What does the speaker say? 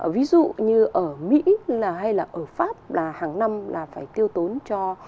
ví dụ như ở mỹ là hay là ở pháp là hàng năm là phải tiêu tốn cho